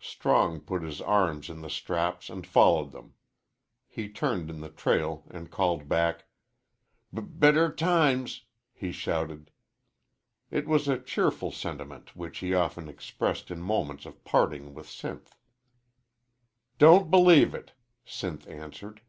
Strong put his arms in the straps and followed them. He turned in the trail and called back: "B better times!" he shouted. It was a cheerful sentiment which he often expressed in moments of parting with Sinth. "Don't believe it," Sinth answered.